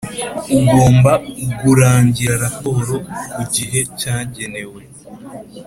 Ugomba gurangira raporo ku gihe cyagenwe